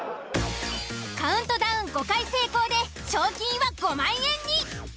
カウントダウン５回成功で賞金は５万円に。